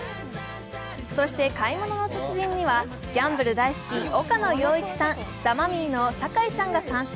そして「買い物の達人」にはギャンブル大好き岡野陽一さんザ・マミィの酒井さんが参戦。